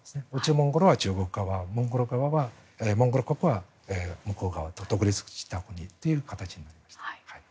モンゴルは中国側モンゴル国は向こう側独立した国という形になりました。